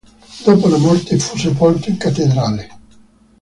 Dopo la morte, fu sepolto in cattedrale.